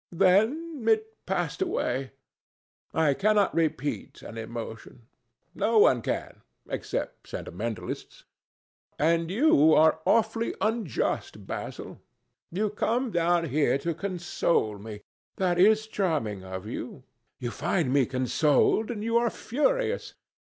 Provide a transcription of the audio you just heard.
Then it passed away. I cannot repeat an emotion. No one can, except sentimentalists. And you are awfully unjust, Basil. You come down here to console me. That is charming of you. You find me consoled, and you are furious.